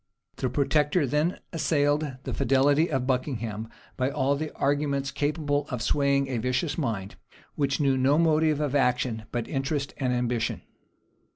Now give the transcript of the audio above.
The protector then assailed the fidelity of Buckingham by all the arguments capable of swaying a vicious mind, which knew no motive of action but interest and ambition.